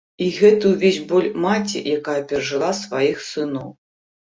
І гэты ўвесь боль маці, якая перажыла сваіх сыноў.